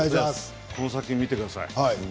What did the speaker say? この作品を見てください。